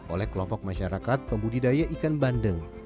oleh kelompok masyarakat pembudidaya ikan bandeng